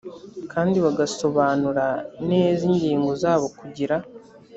kandi bagasobanura neza ingingo zabo kugira